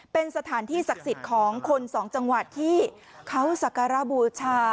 เป็นสถานที่ศักดิ์สิทธิ์ของคนสองจังหวัดที่เขาสักการะบูชา